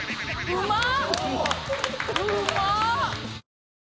うまっ！